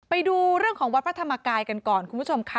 ไปดูเรื่องของวัดพระธรรมกายกันก่อนคุณผู้ชมค่ะ